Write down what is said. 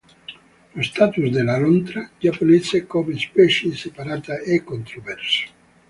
Lo status della lontra giapponese come specie separata è controverso.